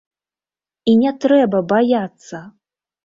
І не трэба баяцца!